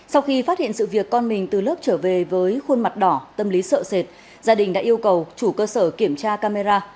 sau khi phát hiện sự việc con mình từ lớp trở về với khuôn mặt đỏ tâm lý sợ sệt gia đình đã yêu cầu chủ cơ sở kiểm tra camera